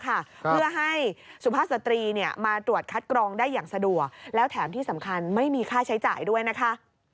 ต่างจังหวัดนะคะเพื่อให้สุภาษตรีเนี่ยมาตรวจคัดกรองได้อย่างสะดวกแล้วแถมที่สำคัญไม่มีค่าใช้จ่ายด้วยนะคะ